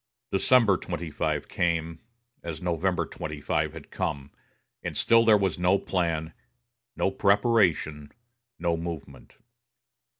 December 25 came, as November 25 had come, and still there was no plan, no preparation, no movement.